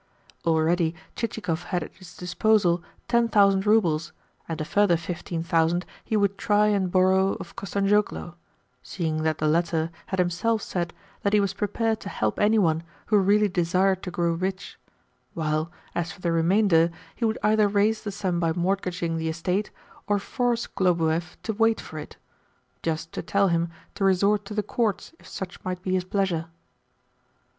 Already Chichikov had at his disposal ten thousand roubles, and a further fifteen thousand he would try and borrow of Kostanzhoglo (seeing that the latter had himself said that he was prepared to help any one who really desired to grow rich); while, as for the remainder, he would either raise the sum by mortgaging the estate or force Khlobuev to wait for it just to tell him to resort to the courts if such might be his pleasure.